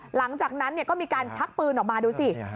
หลังจากนั้นก็มีการชักปืนออกมาดูสิ